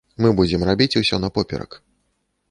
Мы будзем рабіць усё напоперак.